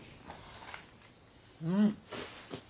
うん。